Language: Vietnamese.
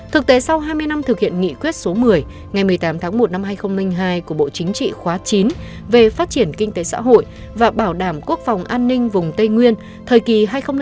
thực tế sau hai mươi năm thực hiện nghị quyết số một mươi ngày một mươi tám tháng một năm hai nghìn hai của bộ chính trị khóa chín về phát triển kinh tế xã hội và bảo đảm quốc phòng an ninh vùng tây nguyên thời kỳ hai nghìn một hai nghìn một mươi năm